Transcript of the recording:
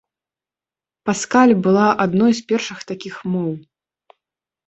Паскаль была адной з першых такіх моў.